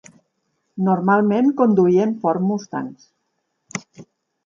Normalment conduïen Ford Mustangs.